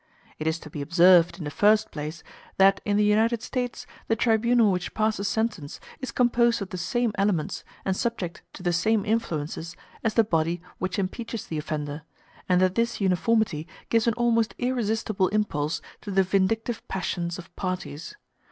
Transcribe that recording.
It is to be observed, in the first place, that in the United States the tribunal which passes sentence is composed of the same elements, and subject to the same influences, as the body which impeaches the offender, and that this uniformity gives an almost irresistible impulse to the vindictive passions of parties.